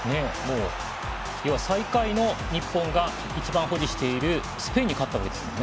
最下位の日本が一番保持しているスペインに勝ったわけですからね。